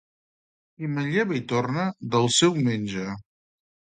Qui manlleva i torna, del seu menja.